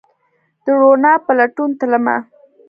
د روڼا په لټون تلمه